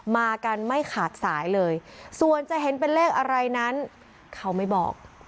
มากันไม่ขาดสายเลยส่วนจะเห็นเป็นเลขอะไรนั้นเขาไม่บอก